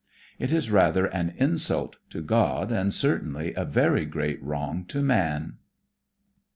It is rather an insult to God and certainly a very great wrong to man.